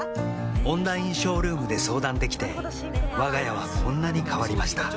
オンラインショールームで相談できてわが家はこんなに変わりました